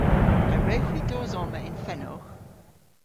A wrewgh hwi dos omma yn fenowgh?